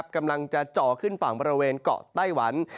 กำลังจะจ่อขึ้นฝั่งบริเวณเกาะไต้หวัน